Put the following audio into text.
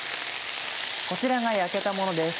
こちらが焼けたものです。